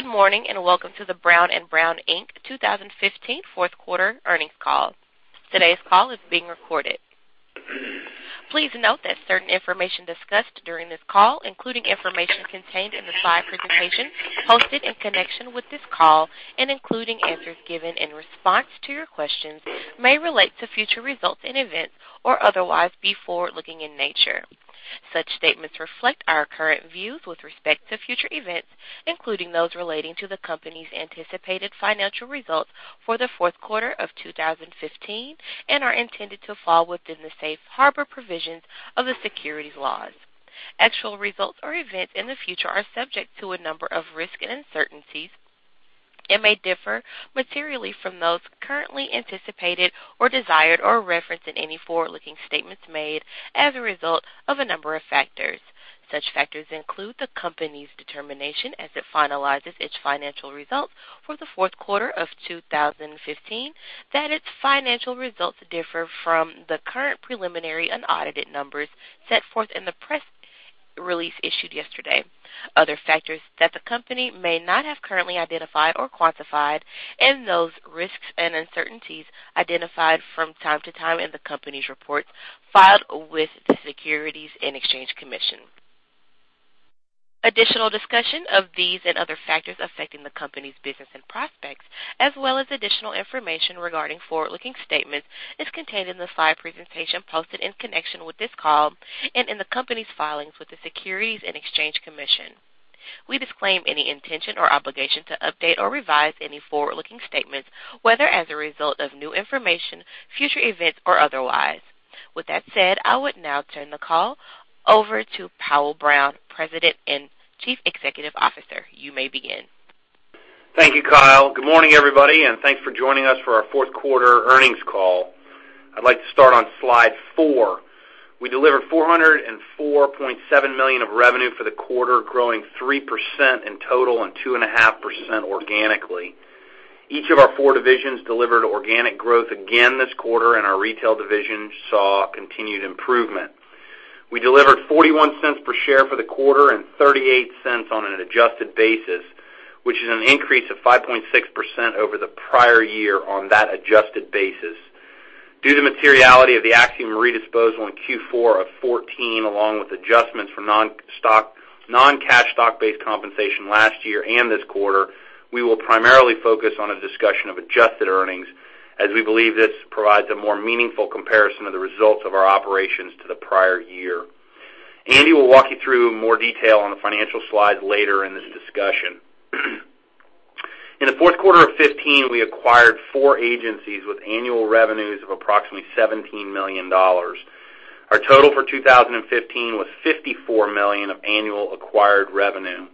Good morning. Welcome to the Brown & Brown, Inc. 2015 fourth quarter earnings call. Today's call is being recorded. Please note that certain information discussed during this call, including information contained in the slide presentation hosted in connection with this call, including answers given in response to your questions, may relate to future results and events or otherwise be forward-looking in nature. Such statements reflect our current views with respect to future events, including those relating to the company's anticipated financial results for the fourth quarter of 2015, and are intended to fall within the safe harbor provisions of the securities laws. Actual results or events in the future are subject to a number of risks and uncertainties and may differ materially from those currently anticipated or desired or referenced in any forward-looking statements made as a result of a number of factors. Such factors include the company's determination as it finalizes its financial results for the fourth quarter of 2015, that its financial results differ from the current preliminary unaudited numbers set forth in the press release issued yesterday. Those risks and uncertainties identified from time to time in the company's reports filed with the Securities and Exchange Commission. Additional discussion of these and other factors affecting the company's business and prospects, as well as additional information regarding forward-looking statements, is contained in the slide presentation posted in connection with this call in the company's filings with the Securities and Exchange Commission. We disclaim any intention or obligation to update or revise any forward-looking statements, whether as a result of new information, future events, or otherwise. With that said, I would now turn the call over to Powell Brown, President and Chief Executive Officer. You may begin. Thank you, Kyle. Good morning, everybody. Thanks for joining us for our fourth quarter earnings call. I'd like to start on slide four. We delivered $404.7 million of revenue for the quarter, growing 3% in total and 2.5% organically. Each of our four divisions delivered organic growth again this quarter, our retail division saw continued improvement. We delivered $0.41 per share for the quarter and $0.38 on an adjusted basis, which is an increase of 5.6% over the prior year on that adjusted basis. Due to materiality of the Axiom Re disposal in Q4 of 2014, along with adjustments for non-cash stock-based compensation last year and this quarter, we will primarily focus on a discussion of adjusted earnings as we believe this provides a more meaningful comparison of the results of our operations to the prior year. Andy will walk you through more detail on the financial slides later in this discussion. In the fourth quarter of 2015, we acquired four agencies with annual revenues of approximately $17 million. Our total for 2015 was $54 million of annual acquired revenue.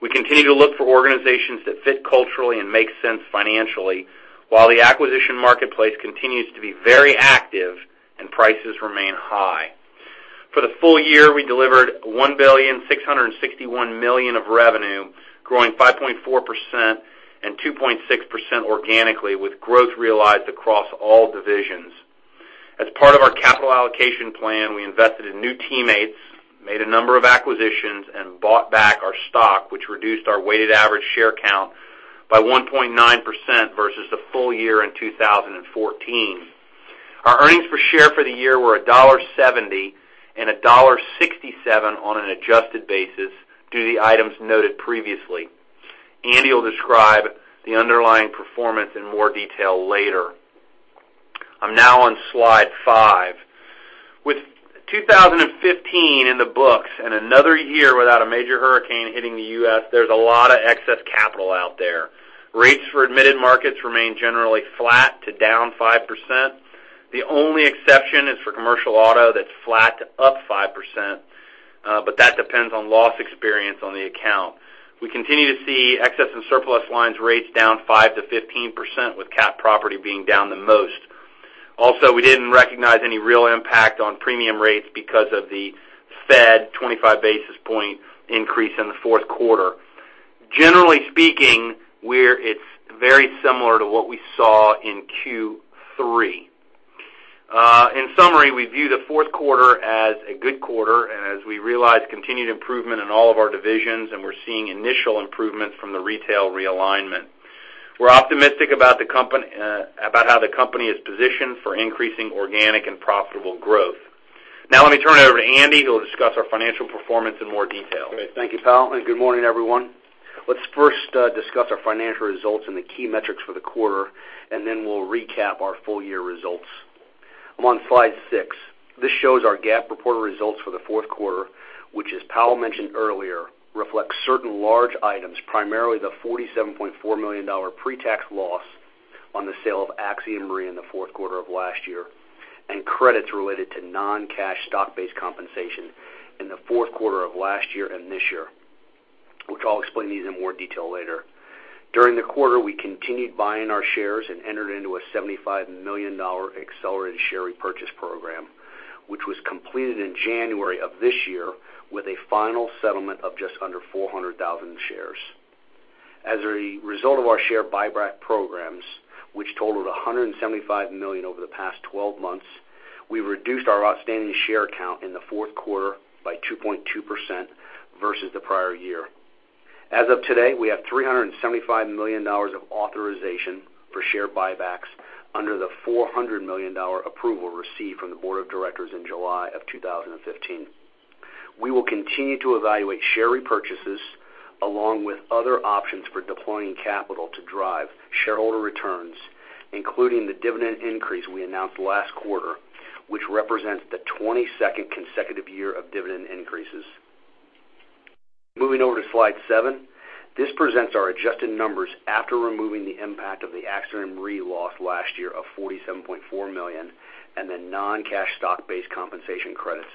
We continue to look for organizations that fit culturally and make sense financially, while the acquisition marketplace continues to be very active and prices remain high. For the full year, we delivered $1.661 billion of revenue, growing 5.4% and 2.6% organically, with growth realized across all divisions. As part of our capital allocation plan, we invested in new teammates, made a number of acquisitions, and bought back our stock, which reduced our weighted average share count by 1.9% versus the full year in 2014. Our earnings per share for the year were $1.70 and $1.67 on an adjusted basis due to the items noted previously. Andy will describe the underlying performance in more detail later. I'm now on slide five. With 2015 in the books and another year without a major hurricane hitting the U.S., there's a lot of excess capital out there. Rates for admitted markets remain generally flat to down 5%. The only exception is for commercial auto that's flat to up 5%, but that depends on loss experience on the account. We continue to see excess and surplus lines rates down 5%-15%, with cat property being down the most. Also, we didn't recognize any real impact on premium rates because of the Fed 25 basis point increase in the fourth quarter. Generally speaking, it's very similar to what we saw in Q3. In summary, we view the fourth quarter as a good quarter, and as we realized continued improvement in all of our divisions, and we're seeing initial improvements from the retail realignment. We're optimistic about how the company is positioned for increasing organic and profitable growth. Now let me turn it over to Andy, who will discuss our financial performance in more detail. Okay. Thank you, Powell, and good morning, everyone. Let's first discuss our financial results and the key metrics for the quarter. Then we'll recap our full-year results. I'm on slide six. This shows our GAAP reporter results for the fourth quarter, which, as Powell mentioned earlier, reflects certain large items, primarily the $47.4 million pre-tax loss on the sale of Axiom Re in the fourth quarter of last year, and credits related to non-cash stock-based compensation in the fourth quarter of last year and this year, which I'll explain these in more detail later. During the quarter, we continued buying our shares and entered into a $75 million accelerated share repurchase program, which was completed in January of this year with a final settlement of just under 400,000 shares. As a result of our share buyback programs, which totaled $175 million over the past 12 months, we reduced our outstanding share count in the fourth quarter by 2.2% versus the prior year. As of today, we have $375 million of authorization for share buybacks under the $400 million approval received from the board of directors in July 2015. We will continue to evaluate share repurchases along with other options for deploying capital to drive shareholder returns, including the dividend increase we announced last quarter, which represents the 22nd consecutive year of dividend increases. Moving over to slide seven. This presents our adjusted numbers after removing the impact of the Axiom Re loss last year of $47.4 million, non-cash stock-based compensation credits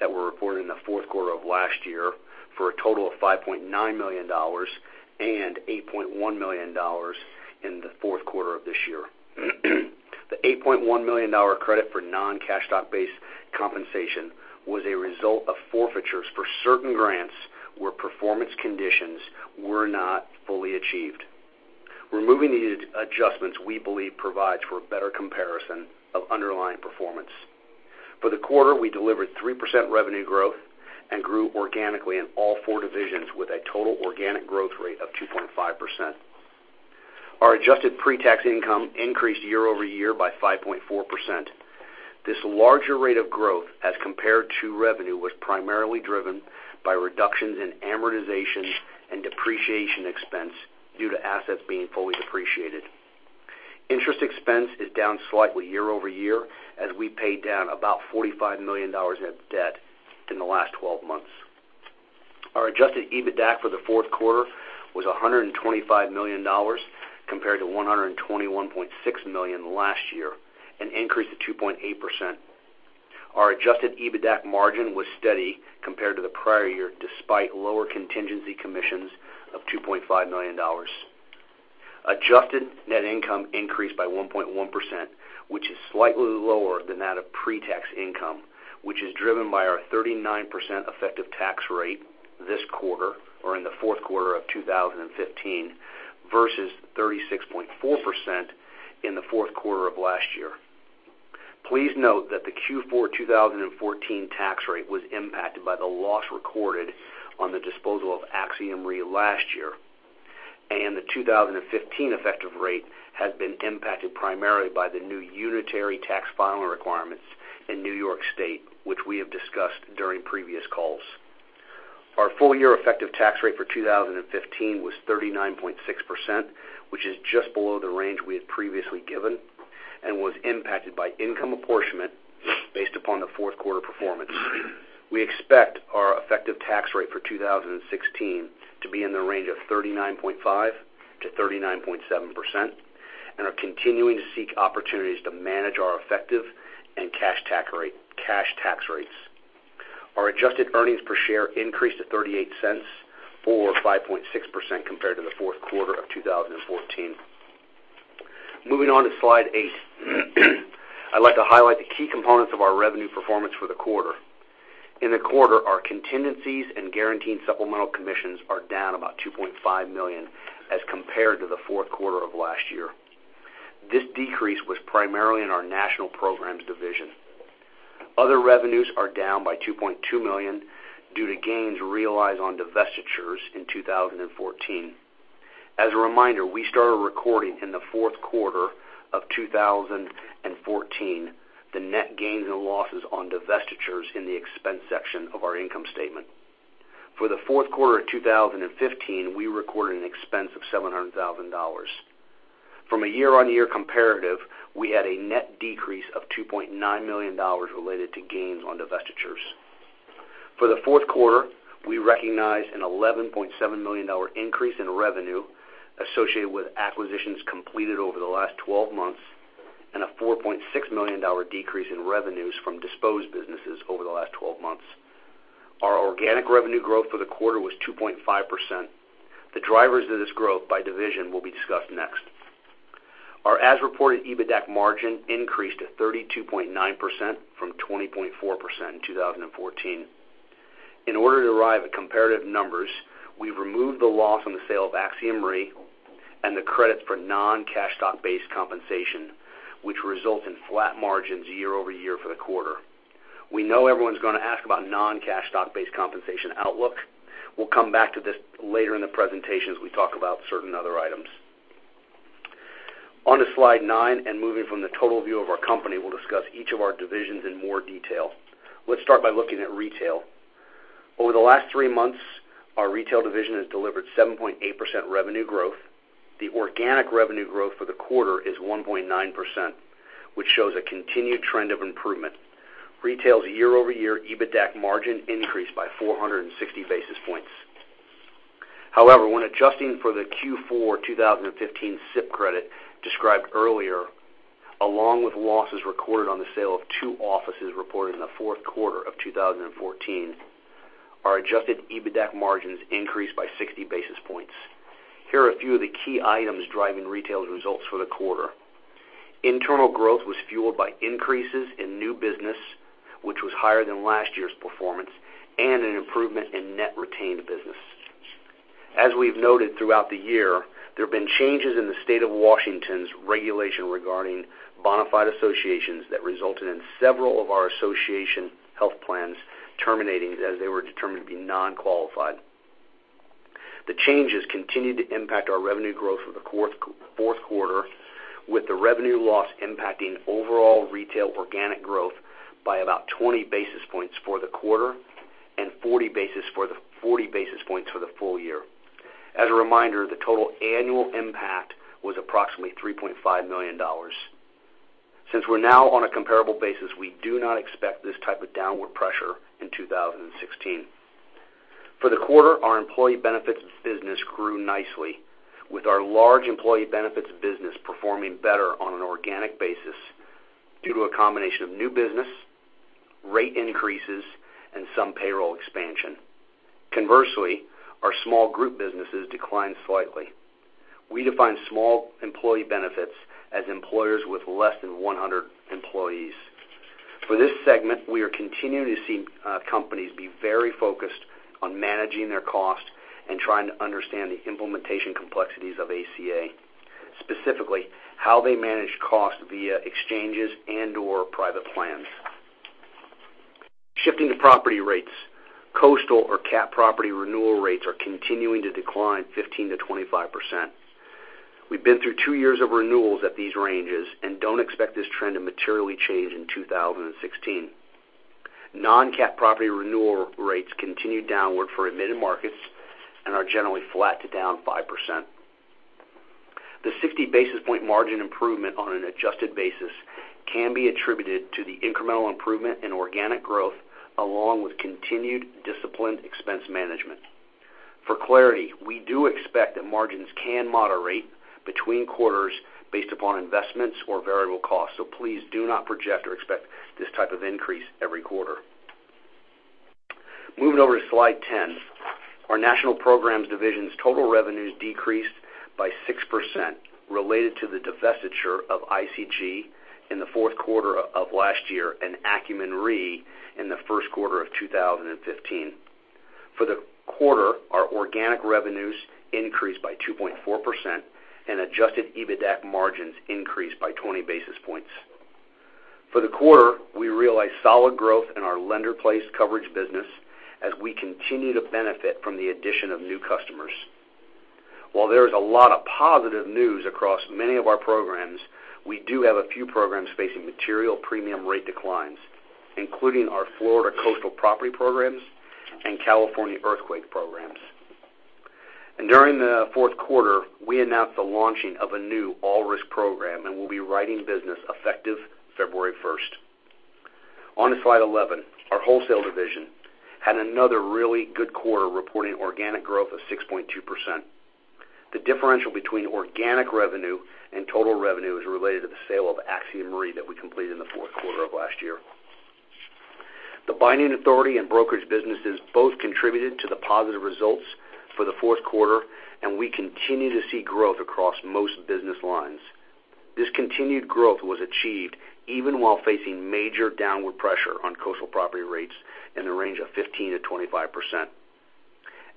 that were reported in the fourth quarter of last year for a total of $5.9 million and $8.1 million in the fourth quarter of this year. The $8.1 million credit for non-cash stock-based compensation was a result of forfeitures for certain grants where performance conditions were not fully achieved. Removing these adjustments, we believe, provides for a better comparison of underlying performance. For the quarter, we delivered 3% revenue growth and grew organically in all four divisions with a total organic growth rate of 2.5%. Our adjusted pre-tax income increased year-over-year by 5.4%. This larger rate of growth as compared to revenue, was primarily driven by reductions in amortization and depreciation expense due to assets being fully depreciated. Interest expense is down slightly year-over-year as we paid down about $45 million in debt in the last 12 months. Our adjusted EBITDA for the fourth quarter was $125 million, compared to $121.6 million last year, an increase of 2.8%. Our adjusted EBITDA margin was steady compared to the prior year despite lower contingency commissions of $2.5 million. Adjusted net income increased by 1.1%, which is slightly lower than that of pre-tax income, which is driven by our 39% effective tax rate this quarter or in the fourth quarter of 2015 versus 36.4% in the fourth quarter of last year. Please note that the Q4 2014 tax rate was impacted by the loss recorded on the disposal of Axiom Re last year. The 2015 effective rate has been impacted primarily by the new unitary tax filing requirements in New York State, which we have discussed during previous calls. Our full year effective tax rate for 2015 was 39.6%, which is just below the range we had previously given and was impacted by income apportionment based upon the fourth quarter performance. We expect our effective tax rate for 2016 to be in the range of 39.5%-39.7% and are continuing to seek opportunities to manage our effective and cash tax rates. Our adjusted earnings per share increased to $0.38 or 5.6% compared to the fourth quarter of 2014. Moving on to slide eight, I'd like to highlight the key components of our revenue performance for the quarter. In the quarter, our contingencies and guaranteed supplemental commissions are down about $2.5 million as compared to the fourth quarter of last year. This decrease was primarily in our national programs division. Other revenues are down by $2.2 million due to gains realized on divestitures in 2014. As a reminder, we started recording in the fourth quarter of 2014, the net gains and losses on divestitures in the expense section of our income statement. For the fourth quarter of 2015, we recorded an expense of $700,000. From a year-over-year comparative, we had a net decrease of $2.9 million related to gains on divestitures. For the fourth quarter, we recognized an $11.7 million increase in revenue associated with acquisitions completed over the last 12 months and a $4.6 million decrease in revenues from disposed businesses over the last 12 months. Our organic revenue growth for the quarter was 2.5%. The drivers of this growth by division will be discussed next. Our as-reported EBITDA margin increased to 32.9% from 20.4% in 2014. In order to arrive at comparative numbers, we've removed the loss on the sale of Axiom Re and the credits for non-cash stock-based compensation, which result in flat margins year-over-year for the quarter. We know everyone's going to ask about non-cash stock-based compensation outlook. We'll come back to this later in the presentation as we talk about certain other items. On to slide nine and moving from the total view of our company, we'll discuss each of our divisions in more detail. Let's start by looking at retail. Over the last three months, our retail division has delivered 7.8% revenue growth. The organic revenue growth for the quarter is 1.9%, which shows a continued trend of improvement. Retail's year-over-year EBITDA margin increased by 460 basis points. However, when adjusting for the Q4 2015 SIP credit described earlier, along with losses recorded on the sale of two offices reported in the fourth quarter of 2014, our adjusted EBITDA margins increased by 60 basis points. Here are a few of the key items driving retail's results for the quarter. Internal growth was fueled by increases in new business, which was higher than last year's performance and an improvement in net retained business. As we've noted throughout the year, there have been changes in the state of Washington's regulation regarding bona fide associations that resulted in several of our association health plans terminating, as they were determined to be non-qualified. The changes continued to impact our revenue growth for the fourth quarter, with the revenue loss impacting overall retail organic growth by about 20 basis points for the quarter and 40 basis points for the full year. As a reminder, the total annual impact was approximately $3.5 million. Since we're now on a comparable basis, we do not expect this type of downward pressure in 2016. For the quarter, our employee benefits business grew nicely, with our large employee benefits business performing better on an organic basis due to a combination of new business, rate increases, and some payroll expansion. Conversely, our small group businesses declined slightly. We define small employee benefits as employers with less than 100 employees. For this segment, we are continuing to see companies be very focused on managing their cost and trying to understand the implementation complexities of ACA, specifically how they manage cost via exchanges and/or private plans. Shifting to property rates, coastal or cat property renewal rates are continuing to decline 15%-25%. We've been through two years of renewals at these ranges and don't expect this trend to materially change in 2016. Non-cat property renewal rates continued downward for admitted markets and are generally flat to down 5%. The 60 basis point margin improvement on an adjusted basis can be attributed to the incremental improvement in organic growth, along with continued disciplined expense management. For clarity, we do expect that margins can moderate between quarters based upon investments or variable costs. Please do not project or expect this type of increase every quarter. Moving over to slide 10. Our National Programs division's total revenues decreased by 6% related to the divestiture of ICG in the fourth quarter of last year and Axiom Re in the first quarter of 2015. For the quarter, our organic revenues increased by 2.4%, and adjusted EBITDAC margins increased by 20 basis points. For the quarter, we realized solid growth in our lender-placed coverage business as we continue to benefit from the addition of new customers. While there is a lot of positive news across many of our programs, we do have a few programs facing material premium rate declines, including our Florida coastal property programs and California earthquake programs. During the fourth quarter, we announced the launching of a new all-risk program and will be writing business effective February 1st. On to slide 11. Our wholesale division had another really good quarter, reporting organic growth of 6.2%. The differential between organic revenue and total revenue is related to the sale of Axiom Re that we completed in the fourth quarter of last year. The binding authority and brokerage businesses both contributed to the positive results for the fourth quarter, and we continue to see growth across most business lines. This continued growth was achieved even while facing major downward pressure on coastal property rates in the range of 15%-25%.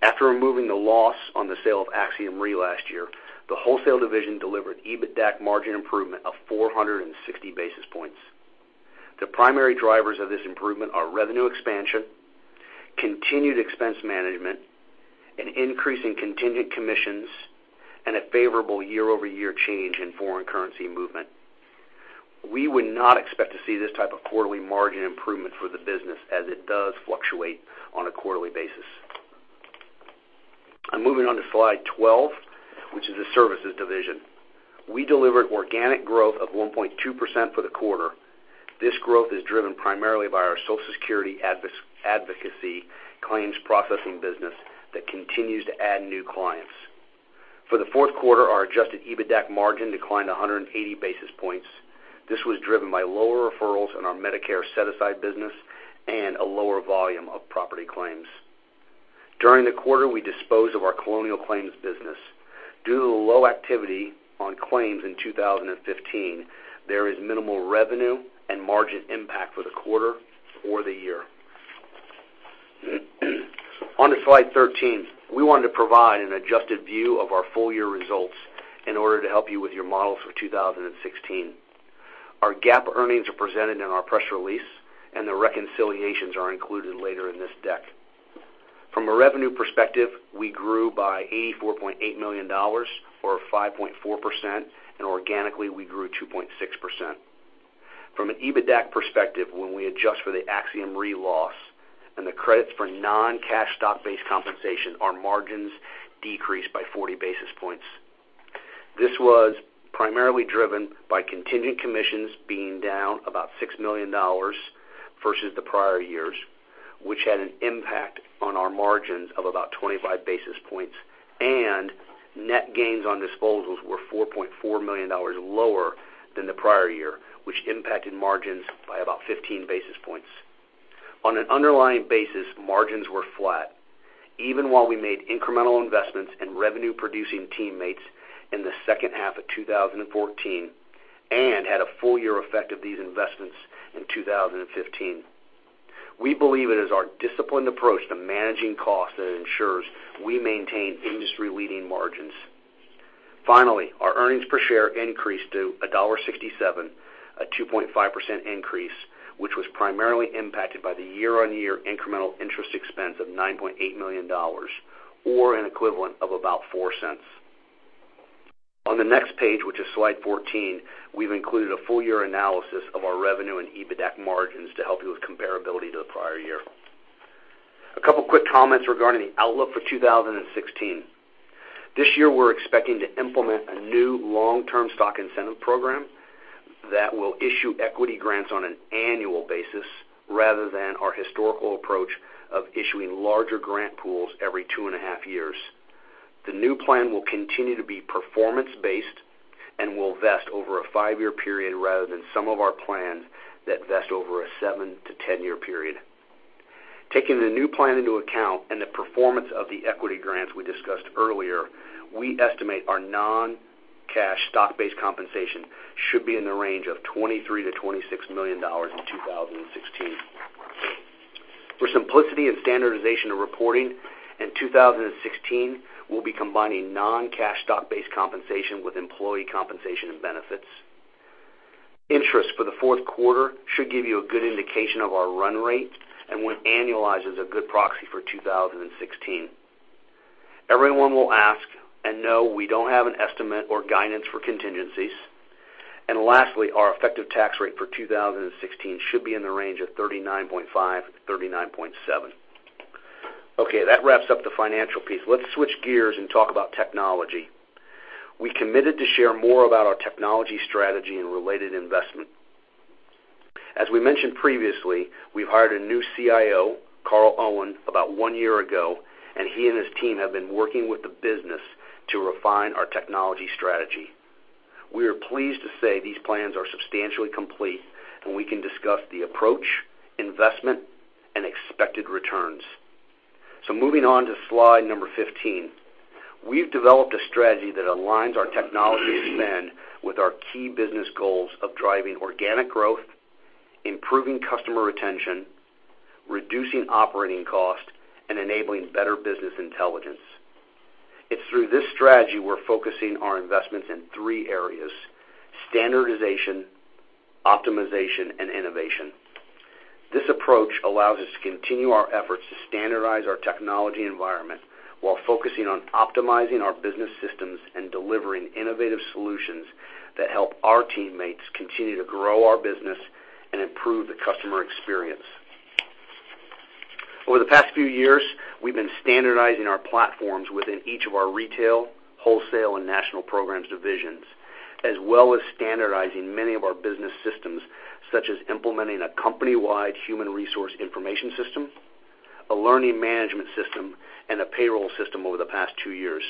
After removing the loss on the sale of Axiom Re last year, the wholesale division delivered EBITDAC margin improvement of 460 basis points. The primary drivers of this improvement are revenue expansion, continued expense management, an increase in contingent commissions, and a favorable year-over-year change in foreign currency movement. We would not expect to see this type of quarterly margin improvement for the business as it does fluctuate on a quarterly basis. I'm moving on to slide 12, which is the services division. We delivered organic growth of 1.2% for the quarter. This growth is driven primarily by our Social Security advocacy claims processing business that continues to add new clients. For the fourth quarter, our adjusted EBITDAC margin declined 180 basis points. This was driven by lower referrals in our Medicare set-aside business and a lower volume of property claims. During the quarter, we disposed of our Colonial Claims business. Due to the low activity on claims in 2015, there is minimal revenue and margin impact for the quarter or the year. On to slide 13. We wanted to provide an adjusted view of our full-year results in order to help you with your models for 2016. Our GAAP earnings are presented in our press release, and the reconciliations are included later in this deck. From a revenue perspective, we grew by $84.8 million, or 5.4%, and organically, we grew 2.6%. From an EBITDAC perspective, when we adjust for the Axiom Re loss and the credits for non-cash stock-based compensation, our margins decreased by 40 basis points. This was primarily driven by contingent commissions being down about $6 million versus the prior years, which had an impact on our margins of about 25 basis points, and net gains on disposals were $4.4 million lower than the prior year, which impacted margins by about 15 basis points. On an underlying basis, margins were flat, even while we made incremental investments in revenue-producing teammates in the second half of 2014 and had a full year effect of these investments in 2015. We believe it is our disciplined approach to managing costs that ensures we maintain industry-leading margins. Finally, our earnings per share increased to $1.67, a 2.5% increase, which was primarily impacted by the year-on-year incremental interest expense of $9.8 million, or an equivalent of about $0.04. On the next page, which is slide 14, we've included a full year analysis of our revenue and EBITDAC margins to help you with comparability to the prior year. A couple quick comments regarding the outlook for 2016. This year, we're expecting to implement a new long-term stock incentive program that will issue equity grants on an annual basis rather than our historical approach of issuing larger grant pools every two and a half years. The new plan will continue to be performance-based and will vest over a five-year period rather than some of our plans that vest over a seven to 10-year period. Taking the new plan into account and the performance of the equity grants we discussed earlier, we estimate our non-cash stock-based compensation should be in the range of $23 million-$26 million in 2016. For simplicity and standardization of reporting, in 2016, we'll be combining non-cash stock-based compensation with employee compensation and benefits. Interest for the fourth quarter should give you a good indication of our run rate and when annualized is a good proxy for 2016. No, we don't have an estimate or guidance for contingencies. Lastly, our effective tax rate for 2016 should be in the range of 39.5%-39.7%. Okay, that wraps up the financial piece. Let's switch gears and talk about technology. We committed to share more about our technology strategy and related investment. As we mentioned previously, we've hired a new CIO, Carl Owen, about one year ago, and he and his team have been working with the business to refine our technology strategy. We are pleased to say these plans are substantially complete, and we can discuss the approach, investment, and expected returns. Moving on to slide number 15. We've developed a strategy that aligns our technology spend with our key business goals of driving organic growth, improving customer retention, reducing operating cost, and enabling better business intelligence. It's through this strategy we're focusing our investments in three areas: standardization, optimization, and innovation. This approach allows us to continue our efforts to standardize our technology environment while focusing on optimizing our business systems and delivering innovative solutions that help our teammates continue to grow our business and improve the customer experience. Over the past few years, we've been standardizing our platforms within each of our retail, wholesale, and national programs divisions, as well as standardizing many of our business systems, such as implementing a company-wide human resource information system, a learning management system, and a payroll system over the past two years.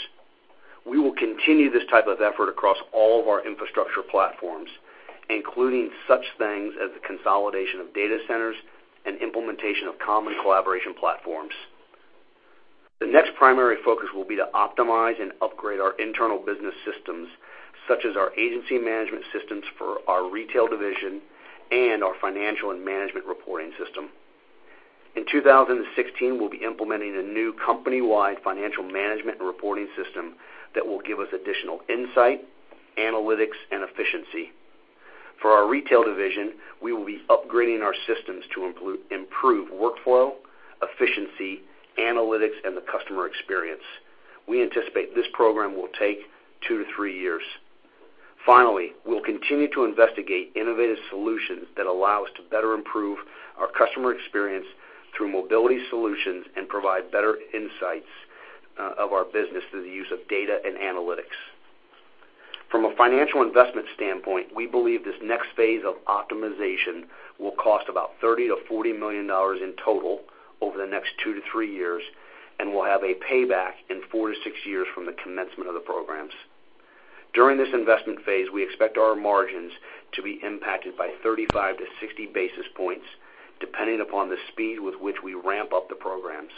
We will continue this type of effort across all of our infrastructure platforms, including such things as the consolidation of data centers and implementation of common collaboration platforms. The next primary focus will be to optimize and upgrade our internal business systems, such as our agency management systems for our retail division and our financial and management reporting system. In 2016, we'll be implementing a new company-wide financial management and reporting system that will give us additional insight, analytics, and efficiency. For our retail division, we will be upgrading our systems to improve workflow, efficiency, analytics, and the customer experience. We anticipate this program will take two to three years. We'll continue to investigate innovative solutions that allow us to better improve our customer experience through mobility solutions and provide better insights of our business through the use of data and analytics. From a financial investment standpoint, we believe this next phase of optimization will cost about $30 million to $40 million in total over the next two to three years and will have a payback in four to six years from the commencement of the programs. During this investment phase, we expect our margins to be impacted by 35 to 60 basis points, depending upon the speed with which we ramp up the programs.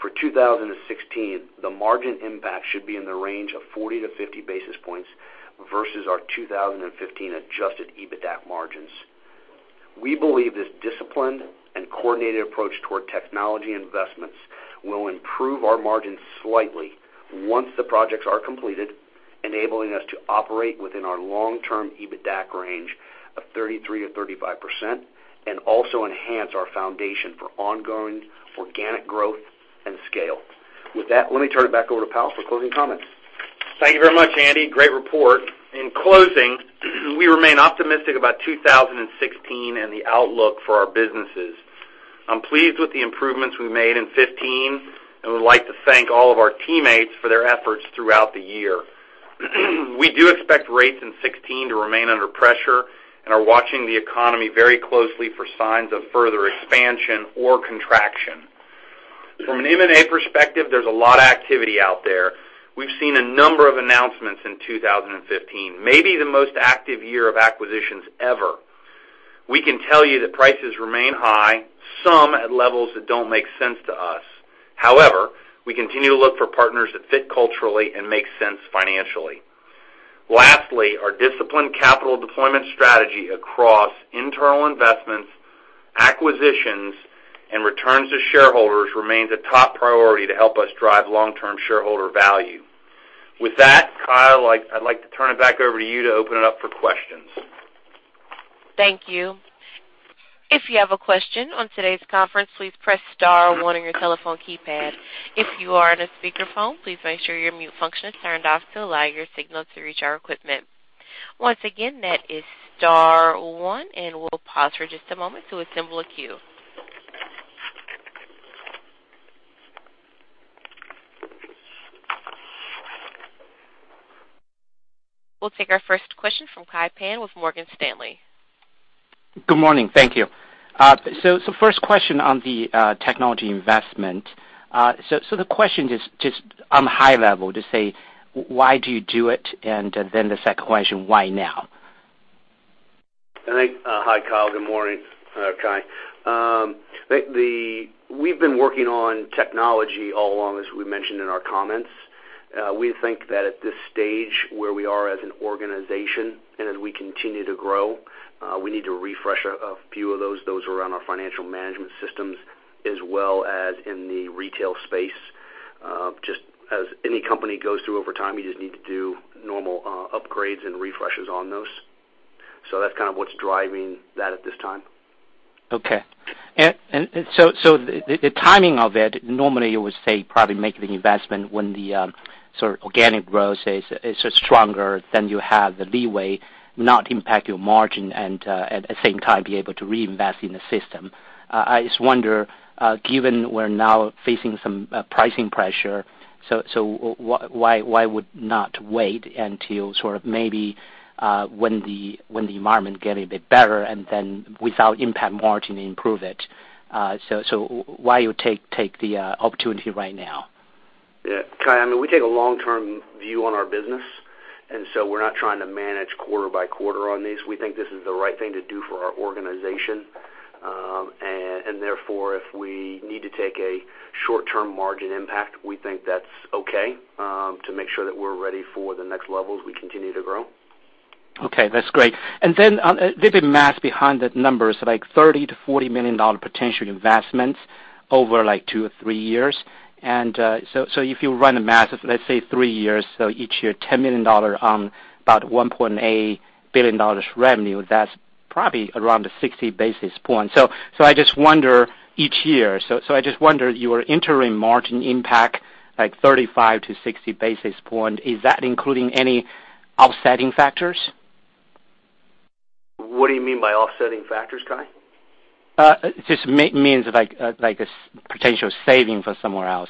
For 2016, the margin impact should be in the range of 40 to 50 basis points versus our 2015 adjusted EBITDAC margins. We believe this disciplined and coordinated approach toward technology investments will improve our margins slightly once the projects are completed, enabling us to operate within our long-term EBITDAC range of 33%-35% and also enhance our foundation for ongoing organic growth and scale. Let me turn it back over to Powell for closing comments. Thank you very much, Andy. Great report. We remain optimistic about 2016 and the outlook for our businesses. I'm pleased with the improvements we made in 2015 and would like to thank all of our teammates for their efforts throughout the year. We do expect rates in 2016 to remain under pressure and are watching the economy very closely for signs of further expansion or contraction. From an M&A perspective, there's a lot of activity out there. We've seen a number of announcements in 2015, maybe the most active year of acquisitions ever. We can tell you that prices remain high, some at levels that don't make sense to us. We continue to look for partners that fit culturally and make sense financially. Lastly, our disciplined capital deployment strategy across internal investments, acquisitions, and returns to shareholders remains a top priority to help us drive long-term shareholder value. With that, Kyle, I'd like to turn it back over to you to open it up for questions. Thank you. If you have a question on today's conference, please press star one on your telephone keypad. If you are on a speakerphone, please make sure your mute function is turned off to allow your signal to reach our equipment. Once again, that is star one, and we'll pause for just a moment to assemble a queue. We'll take our first question from Kai Pan with Morgan Stanley. Good morning. Thank you. First question on the technology investment. The question just on a high level to say, why do you do it? The second question, why now? Hi, Kai. Good morning, Kai. We've been working on technology all along, as we mentioned in our comments. We think that at this stage, where we are as an organization and as we continue to grow, we need to refresh a few of those around our financial management systems, as well as in the retail space. Just as any company goes through over time, you just need to do normal upgrades and refreshes on those. That's what's driving that at this time. Okay. The timing of it, normally you would say probably make the investment when the sort of organic growth is stronger, then you have the leeway, not impact your margin, and at the same time, be able to reinvest in the system. I just wonder, given we're now facing some pricing pressure, why would not wait until sort of maybe when the environment get a bit better and then without impact margin improve it? Why you take the opportunity right now? Yeah, Kai, we take a long-term view on our business, we're not trying to manage quarter by quarter on these. We think this is the right thing to do for our organization. Therefore, if we need to take a short-term margin impact, we think that's okay, to make sure that we're ready for the next levels we continue to grow. Okay, that's great. A bit of math behind the numbers, like $30 million-$40 million potential investments over two or three years. If you run the math of, let's say, three years, each year, $10 million on about $1.8 billion revenue, that's probably around the 60 basis points. I just wonder each year, so I just wonder your interim margin impact, like 35-60 basis point, is that including any offsetting factors? What do you mean by offsetting factors, Kai? Just means like a potential saving for somewhere else.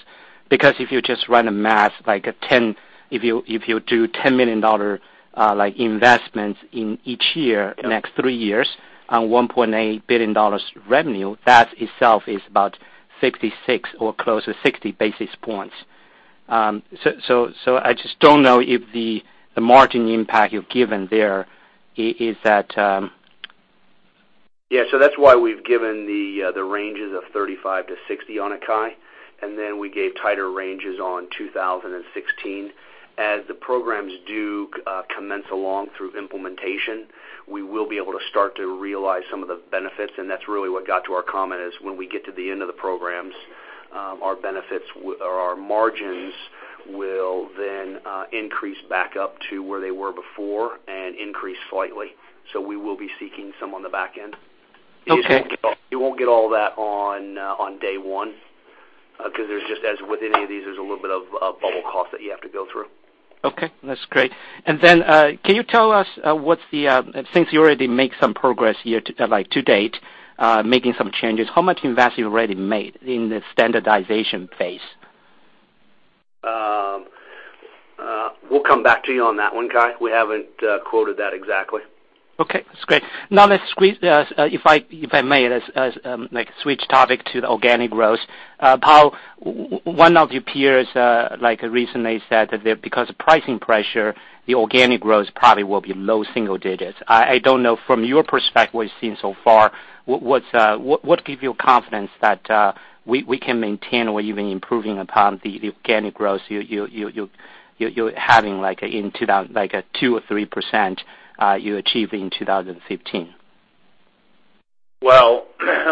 Because if you just run a math, if you do $10 million investments in each year- Okay next three years on $1.8 billion revenue, that itself is about 66 or close to 60 basis points. I just don't know if the margin impact you've given there is that- That's why we've given the ranges of 35 to 60 on it, Kai. We gave tighter ranges on 2016. As the programs do commence along through implementation, we will be able to start to realize some of the benefits, and that's really what got to our comment is when we get to the end of the programs, our margins will then increase back up to where they were before and increase slightly. We will be seeking some on the back end. Okay. You won't get all that on day one, because with any of these, there's a little bit of bubble cost that you have to go through. Okay, that's great. Can you tell us since you already make some progress here to date, making some changes, how much investment you've already made in the standardization phase? We'll come back to you on that one, Kai. We haven't quoted that exactly. Okay, that's great. If I may, let's switch topic to the organic growth. Powell, one of your peers recently said that because of pricing pressure, the organic growth probably will be low single digits. I don't know from your perspective, what you've seen so far, what give you confidence that we can maintain or even improving upon the organic growth you're having, like a 2% or 3% you achieve in 2015? Well,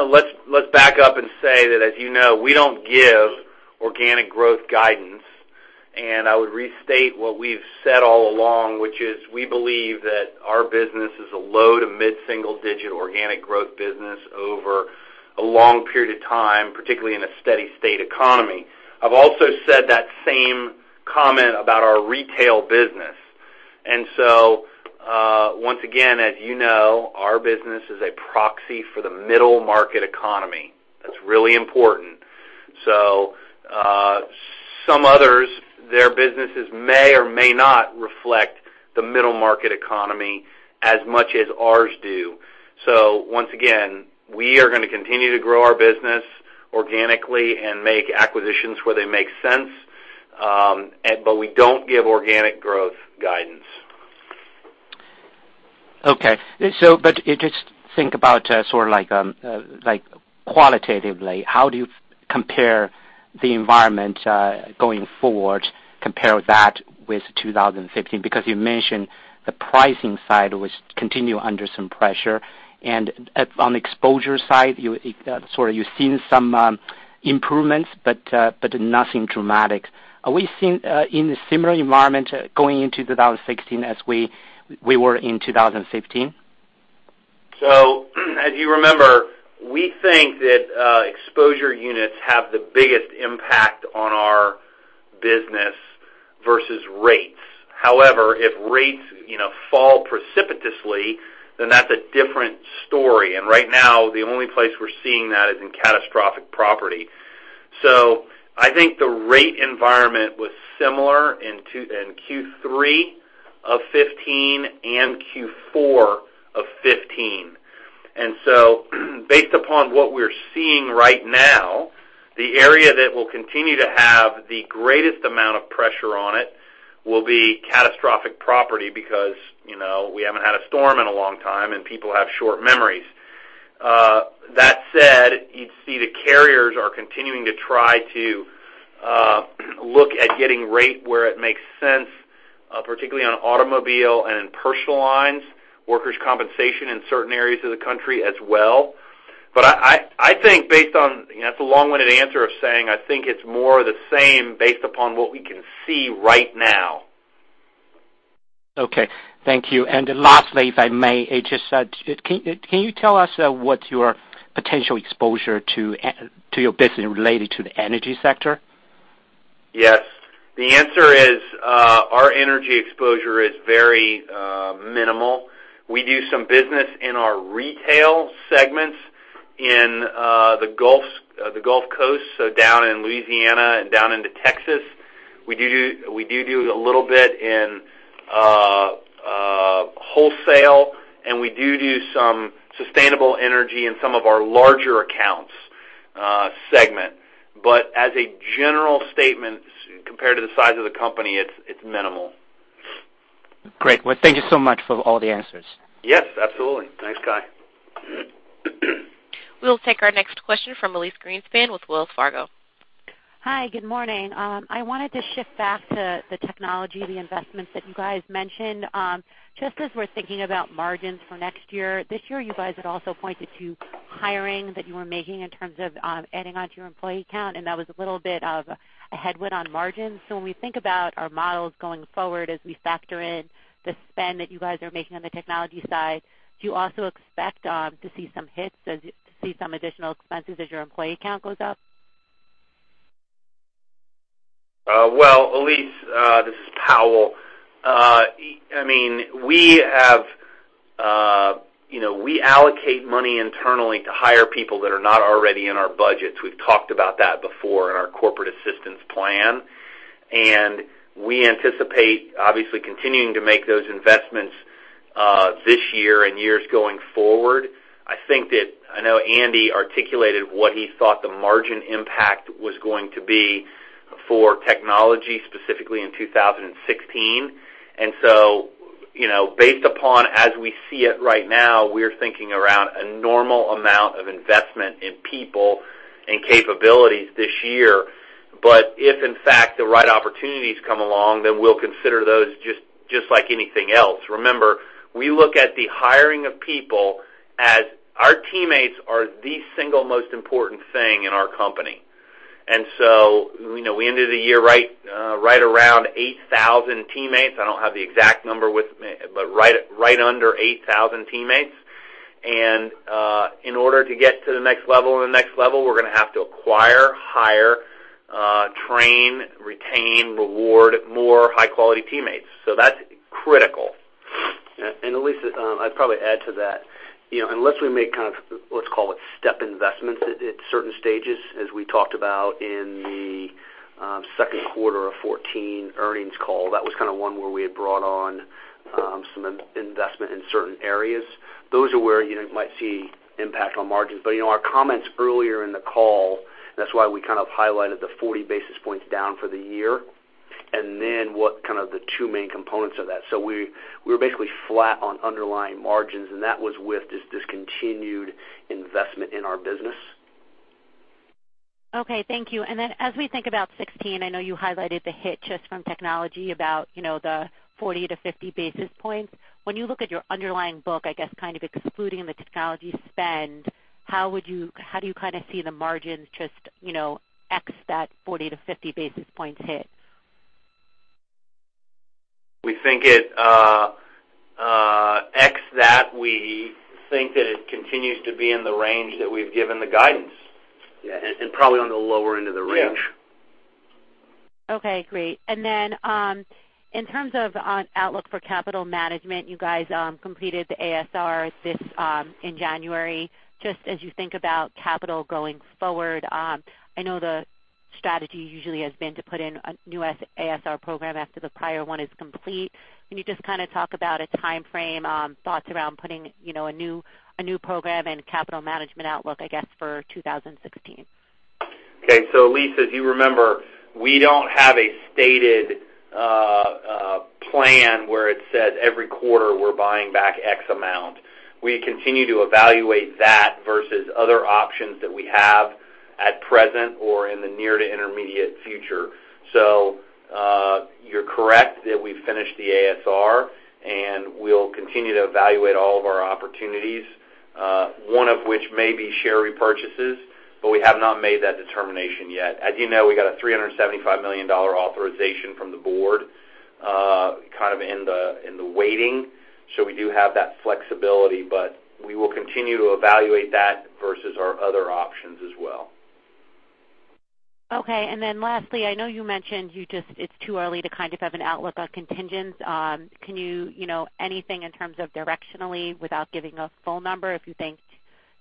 let's back up and say that as you know, we don't give organic growth guidance. I would restate what we've said all along, which is we believe that our business is a low to mid-single digit organic growth business over a long period of time, particularly in a steady state economy. I've also said that same comment about our retail business. Once again, as you know, our business is a proxy for the middle market economy. That's really important. Some others, their businesses may or may not reflect the middle market economy as much as ours do. Once again, we are going to continue to grow our business organically and make acquisitions where they make sense. We don't give organic growth guidance. Just think about qualitatively, how do you compare the environment going forward, compare that with 2015? Because you mentioned the pricing side was continuing under some pressure, and on the exposure side, you've seen some improvements, but nothing dramatic. Are we seeing in a similar environment going into 2016 as we were in 2015? As you remember, we think that exposure units have the biggest impact on our business versus rates. However, if rates fall precipitously, then that's a different story. Right now, the only place we're seeing that is in catastrophic property. I think the rate environment was similar in Q3 of 2015 and Q4 of 2015. Based upon what we're seeing right now, the area that will continue to have the greatest amount of pressure on it will be catastrophic property because we haven't had a storm in a long time and people have short memories. That said, you'd see the carriers are continuing to try to look at getting rate where it makes sense, particularly on automobile and personal lines, workers' compensation in certain areas of the country as well. I think based on, that's a long-winded answer of saying I think it's more of the same based upon what we can see right now. Okay. Thank you. Lastly, if I may, can you tell us what your potential exposure to your business related to the energy sector? Yes. The answer is our energy exposure is very minimal. We do some business in our retail segments in the Gulf Coast, so down in Louisiana and down into Texas. We do a little bit in wholesale, and we do some sustainable energy in some of our larger accounts segment. As a general statement, compared to the size of the company, it's minimal. Great. Well, thank you so much for all the answers. Yes, absolutely. Thanks, Kai. We'll take our next question from Elyse Greenspan with Wells Fargo. Good morning. I wanted to shift back to the technology, the investments that you guys mentioned. Just as we're thinking about margins for next year, this year, you guys had also pointed to hiring that you were making in terms of adding onto your employee count, and that was a little bit of a headwind on margins. When we think about our models going forward, as we factor in the spend that you guys are making on the technology side, do you also expect to see some hits as to see some additional expenses as your employee count goes up? Elyse, this is Powell. We allocate money internally to hire people that are not already in our budgets. We've talked about that before in our corporate assistance plan. We anticipate, obviously, continuing to make those investments this year and years going forward. I know Andy articulated what he thought the margin impact was going to be for technology, specifically in 2016. Based upon as we see it right now, we're thinking around a normal amount of investment in people and capabilities this year. If in fact the right opportunities come along, then we'll consider those just like anything else. Remember, we look at the hiring of people as our teammates are the single most important thing in our company. We ended the year right around 8,000 teammates. I don't have the exact number with me, but right under 8,000 teammates. In order to get to the next level and the next level, we're going to have to acquire, hire, train, retain, reward more high quality teammates. That's critical. Elyse, I'd probably add to that. Unless we make kind of, let's call it step investments at certain stages, as we talked about in the second quarter of 2014 earnings call. That was one where we had brought on some investment in certain areas. Those are where you might see impact on margins. Our comments earlier in the call, that's why we kind of highlighted the 40 basis points down for the year. What kind of the two main components of that. We were basically flat on underlying margins, and that was with this continued investment in our business. Okay, thank you. As we think about 2016, I know you highlighted the hit just from technology about the 40-50 basis points. When you look at your underlying book, I guess kind of excluding the technology spend, how do you kind of see the margins just ex that 40-50 basis points hit? We think it, ex that, we think that it continues to be in the range that we've given the guidance. Yeah, probably on the lower end of the range. Okay, great. In terms of on outlook for capital management, you guys completed the ASR in January. Just as you think about capital going forward, I know the strategy usually has been to put in a new ASR program after the prior one is complete. Can you just kind of talk about a timeframe, thoughts around putting a new program and capital management outlook, I guess, for 2016? Elyse, as you remember, we don't have a stated plan where it says every quarter we're buying back X amount. We continue to evaluate that versus other options that we have at present or in the near to intermediate future. You're correct that we finished the ASR, and we'll continue to evaluate all of our opportunities, one of which may be share repurchases, but we have not made that determination yet. As you know, we got a $375 million authorization from the board, kind of in the waiting. We do have that flexibility, but we will continue to evaluate that versus our other options as well. Lastly, I know you mentioned it's too early to kind of have an outlook on contingents. Can you, anything in terms of directionally without giving a full number, if you think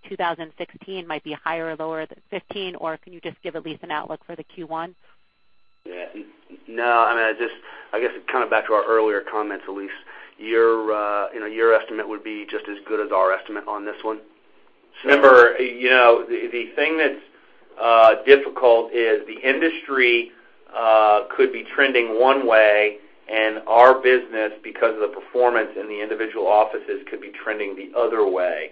2016 might be higher or lower than 2015? Or can you just give at least an outlook for the Q1? Yeah. No, I guess it's kind of back to our earlier comments, Elyse. Your estimate would be just as good as our estimate on this one. Remember, the thing that's difficult is the industry could be trending one way, and our business, because of the performance in the individual offices, could be trending the other way.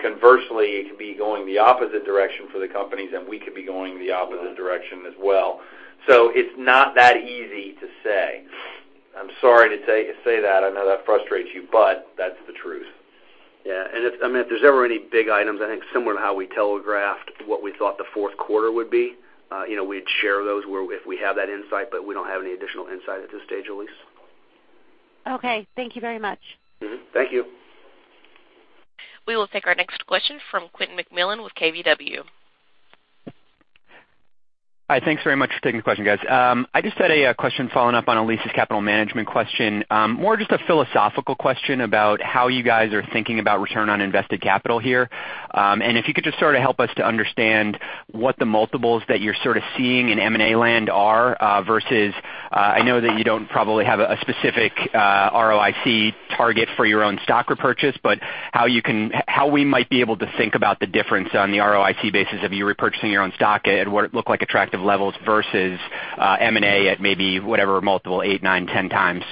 Conversely, it could be going the opposite direction for the companies, and we could be going the opposite direction as well. It's not that easy to say. I'm sorry to say that. I know that frustrates you, but that's the truth. Yeah. If there's ever any big items, I think similar to how we telegraphed what we thought the fourth quarter would be, we'd share those if we have that insight, but we don't have any additional insight at this stage, Elyse. Okay. Thank you very much. Mm-hmm. Thank you. We will take our next question from Quentin McMillan with KBW. Hi. Thanks very much for taking the question, guys. I just had a question following up on Elyse's capital management question. More just a philosophical question about how you guys are thinking about return on invested capital here. If you could just sort of help us to understand what the multiples that you're sort of seeing in M&A land are, versus, I know that you don't probably have a specific ROIC target for your own stock repurchase, but how we might be able to think about the difference on the ROIC basis of you repurchasing your own stock at what look like attractive levels versus M&A at maybe whatever multiple, eight, nine, 10 times.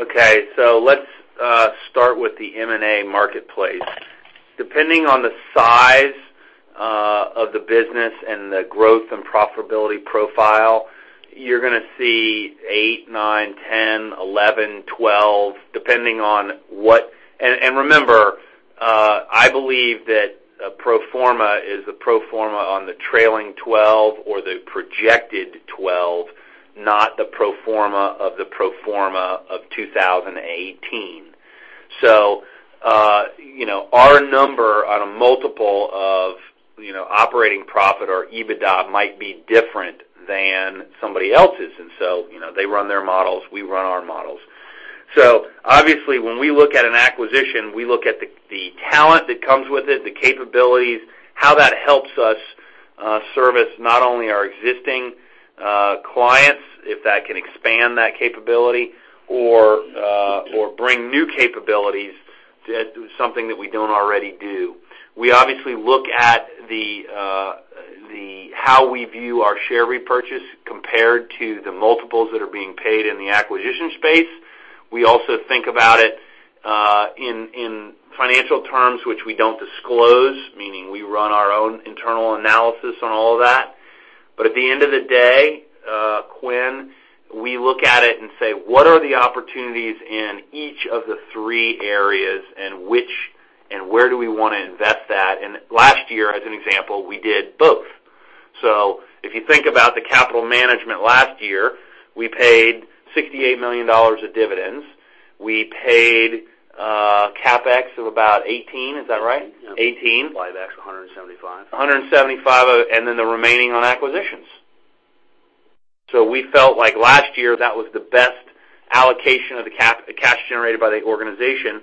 Okay. Let's start with the M&A marketplace. Depending on the size of the business and the growth and profitability profile, you're going to see eight, nine, 10, 11, 12, depending on what. Remember, I believe that a pro forma is a pro forma on the trailing 12 or the projected 12, not the pro forma of the pro forma of 2018. Our number on a multiple of operating profit or EBITDA might be different than somebody else's. They run their models, we run our models. Obviously, when we look at an acquisition, we look at the talent that comes with it, the capabilities, how that helps us service not only our existing clients, if that can expand that capability or bring new capabilities to something that we don't already do. We obviously look at how we view our share repurchase compared to the multiples that are being paid in the acquisition space. We also think about it in financial terms, which we don't disclose, meaning we run our own internal analysis on all of that. At the end of the day, Quentin, we look at it and say, what are the opportunities in each of the three areas, and where do we want to invest that? Last year, as an example, we did both. If you think about the capital management last year, we paid $68 million of dividends. We paid CapEx of about $18. Is that right? Yeah. 18. Buybacks, $175. $175, then the remaining on acquisitions. We felt like last year, that was the best allocation of the cash generated by the organization.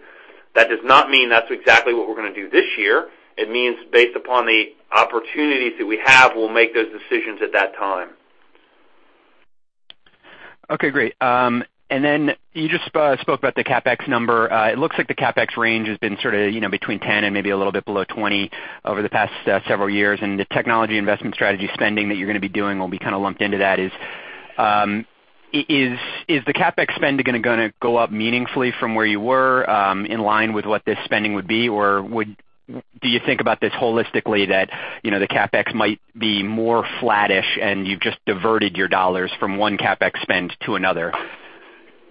That does not mean that's exactly what we're going to do this year. It means based upon the opportunities that we have, we'll make those decisions at that time. Okay, great. Then you just spoke about the CapEx number. It looks like the CapEx range has been sort of between $10 and maybe a little bit below $20 over the past several years, and the technology investment strategy spending that you're going to be doing will be kind of lumped into that. Is the CapEx spend going to go up meaningfully from where you were in line with what this spending would be, or do you think about this holistically that the CapEx might be more flattish, and you've just diverted your dollars from one CapEx spend to another?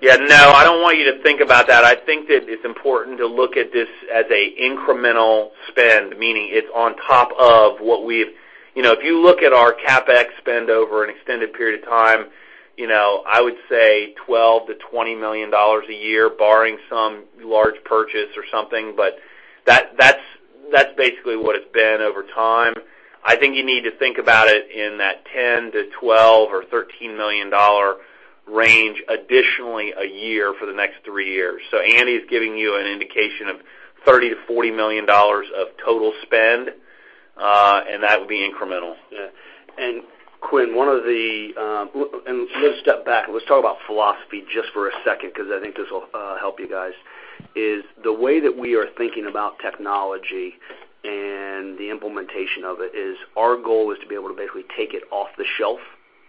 Yeah, no, I don't want you to think about that. I think that it's important to look at this as an incremental spend, meaning it's on top of. If you look at our CapEx spend over an extended period of time, I would say $12 million to $20 million a year, barring some large purchase or something. That's basically what it's been over time. I think you need to think about it in that $10 million to $12 million or $13 million range additionally a year for the next three years. And he's giving you an indication of $30 million to $40 million of total spend, and that will be incremental. Yeah. Quentin, let's step back. Let's talk about philosophy just for a second because I think this will help you guys. The way that we are thinking about technology and the implementation of it is our goal is to be able to basically take it off the shelf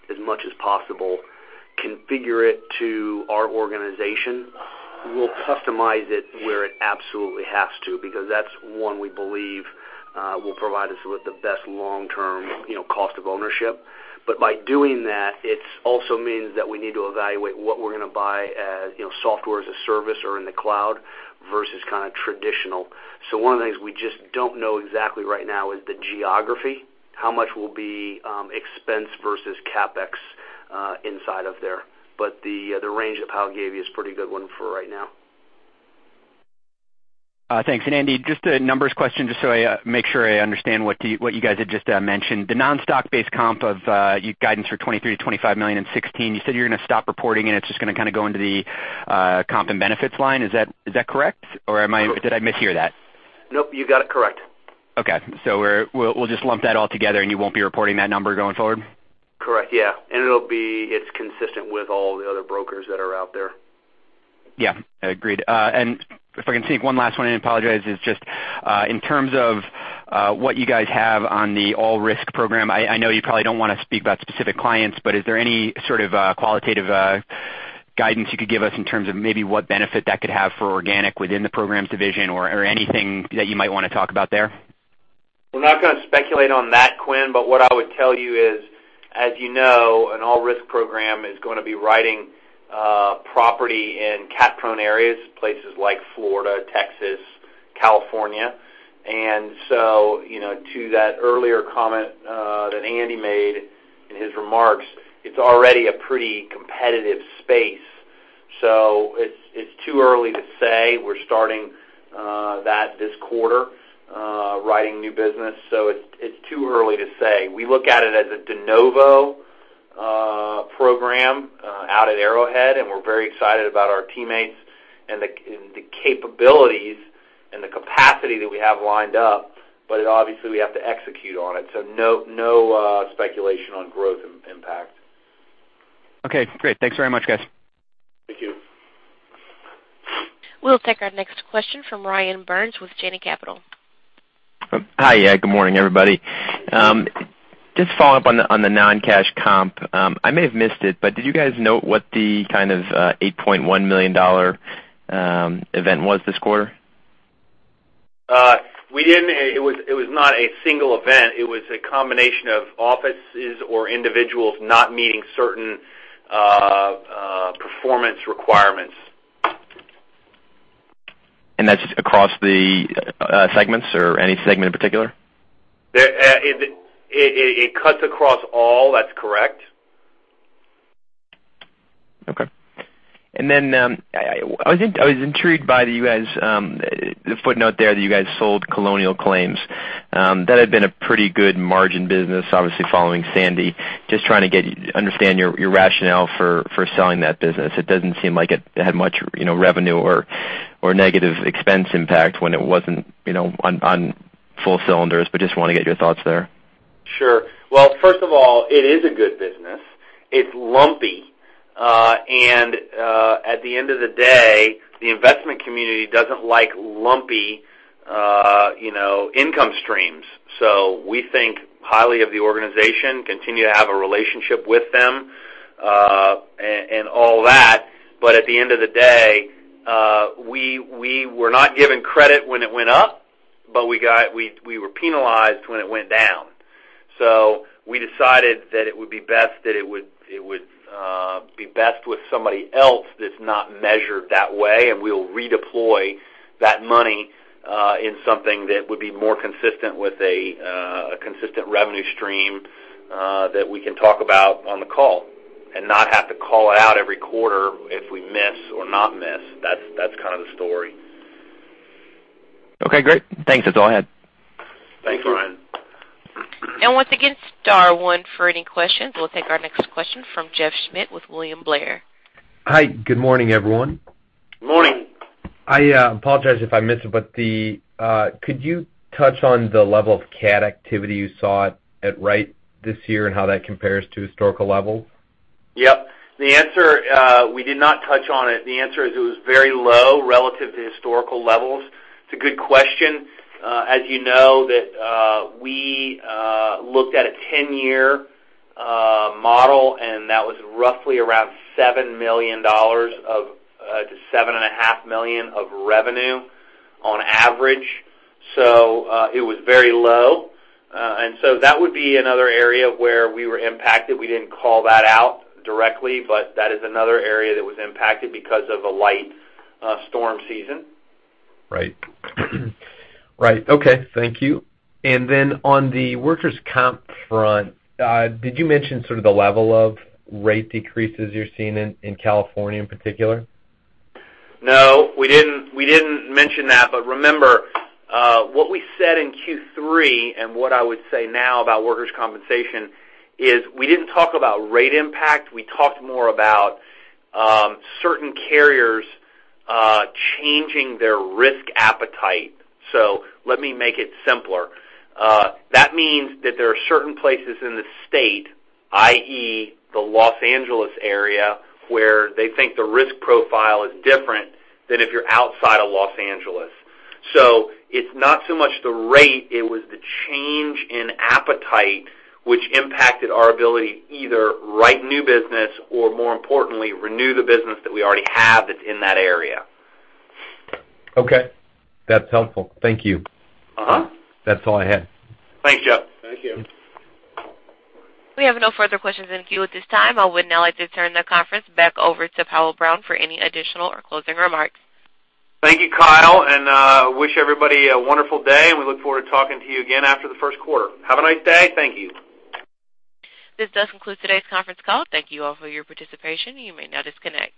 as much as possible, configure it to our organization. We'll customize it where it absolutely has to because that's one we believe will provide us with the best long-term cost of ownership. By doing that, it also means that we need to evaluate what we're going to buy as software as a service or in the cloud versus kind of traditional. One of the things we just don't know exactly right now is the geography, how much will be expense versus CapEx inside of there. The range that I gave you is pretty good one for right now. Thanks. Andy, just a numbers question just so I make sure I understand what you guys had just mentioned. The non-stock based comp of your guidance for $23 million-$25 million in 2016, you said you're going to stop reporting and it's just going to kind of go into the comp and benefits line. Is that correct? Or did I mishear that? Nope, you got it correct. Okay. We'll just lump that all together and you won't be reporting that number going forward? Correct. Yeah. It's consistent with all the other brokers that are out there. Yeah. Agreed. If I can sneak one last one in, I apologize. It's just in terms of what you guys have on the all-risk program, I know you probably don't want to speak about specific clients, but is there any sort of qualitative guidance you could give us in terms of maybe what benefit that could have for organic within the programs division or anything that you might want to talk about there? We're not going to speculate on that, Quinn. What I would tell you is, as you know, an all-risk program is going to be writing property in cat prone areas, places like Florida, Texas, California. To that earlier comment that Andy made in his remarks, it's already a pretty competitive space. It's too early to say. We're starting that this quarter, writing new business. It's too early to say. We look at it as a de novo program out at Arrowhead, we're very excited about our teammates and the capabilities and the capacity that we have lined up, obviously we have to execute on it. No speculation on growth impact. Okay, great. Thanks very much, guys. Thank you. We'll take our next question from Ryan Burns with Janney Capital. Hi. Yeah, good morning, everybody. Just follow up on the non-cash comp. I may have missed it, but did you guys note what the kind of $8.1 million event was this quarter? We didn't. It was not a single event. It was a combination of offices or individuals not meeting certain performance requirements. That's across the segments or any segment in particular? It cuts across all, that's correct. Okay. I was intrigued by the footnote there that you guys sold Colonial Claims. That had been a pretty good margin business, obviously following Sandy. Just trying to understand your rationale for selling that business. It doesn't seem like it had much revenue or negative expense impact when it wasn't on full cylinders. Just want to get your thoughts there. Sure. Well, first of all, it is a good business. It's lumpy. At the end of the day, the investment community doesn't like lumpy income streams. We think highly of the organization, continue to have a relationship with them, and all that. At the end of the day, we were not given credit when it went up, but we were penalized when it went down. We decided that it would be best with somebody else that's not measured that way, and we'll redeploy that money in something that would be more consistent with a consistent revenue stream that we can talk about on the call and not have to call out every quarter if we miss or not miss. That's kind of the story. Okay, great. Thanks. That's all I had. Thanks, Ryan. Once again, star one for any questions. We'll take our next question from Jeff Schmitt with William Blair. Hi. Good morning, everyone. Morning. I apologize if I missed it, but could you touch on the level of cat activity you saw at Wright this year and how that compares to historical levels? Yep. We did not touch on it. The answer is it was very low relative to historical levels. It's a good question. As you know, we looked at a 10 year model, and that was roughly around $7 million-$7.5 million of revenue on average. It was very low. That would be another area where we were impacted. We didn't call that out directly, but that is another area that was impacted because of a light storm season. Right. Okay. Thank you. On the workers' comp front, did you mention sort of the level of rate decreases you're seeing in California in particular? No, we didn't mention that. Remember, what we said in Q3, and what I would say now about workers' compensation is we didn't talk about rate impact. We talked more about certain carriers changing their risk appetite. Let me make it simpler. That means that there are certain places in the state, i.e., the Los Angeles area, where they think the risk profile is different than if you're outside of Los Angeles. It's not so much the rate, it was the change in appetite which impacted our ability to either write new business or more importantly, renew the business that we already have that's in that area. Okay. That's helpful. Thank you. That's all I had. Thanks, Jeff. Thank you. We have no further questions in queue at this time. I would now like to turn the conference back over to Powell Brown for any additional or closing remarks. Thank you, Kyle. Wish everybody a wonderful day. We look forward to talking to you again after the first quarter. Have a nice day. Thank you. This does conclude today's conference call. Thank you all for your participation. You may now disconnect.